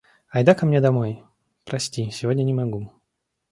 «Ай да ко мне домой?» — «Прости, сегодня не могу».